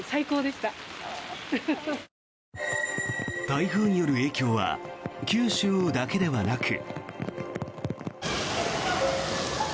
台風による影響は九州だけではなく。